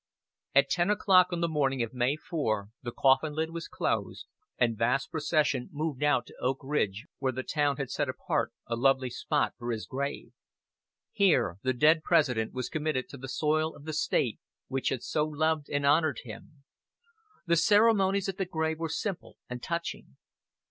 At ten o'clock on the morning of May 4 the coffin lid was closed, and vast procession moved out to Oak Ridge, where the town had set apart a lovely spot for his grave. Here the dead President was committed to the soil of the State which had so loved and honored him. The ceremonies at the grave were simple and touching.